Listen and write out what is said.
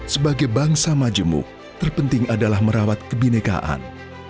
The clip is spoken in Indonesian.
sebagai bangsa majemuk terpenting adalah merawat kebinekaan